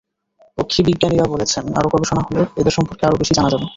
পক্ষীবিজ্ঞানীরা বলছেন, আরও গবেষণা হলে এদের সম্পর্কে আরও বেশি জানা যাবে।